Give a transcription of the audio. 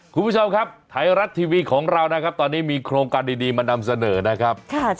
คุณผู้ชมครับไทยรัฐทีวีของเรานะครับตอนนี้มีโครงการดีมานำเสนอนะครับ